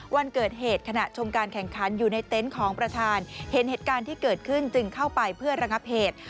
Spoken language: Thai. วันเกิดเหตุขณะชมการแข่งขันอยู่ในเต็นต์ของประธานเห็นเหตุการณ์ที่เกิดขึ้นจึงเข้าไปเพื่อระงับเหตุ